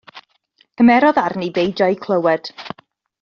Cymerodd arni beidio â'u clywed.